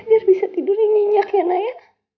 biar bisa tidur yang nginyak ya naya